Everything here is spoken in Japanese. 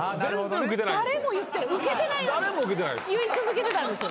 誰も言ってないウケてないのに言い続けてたんですよ。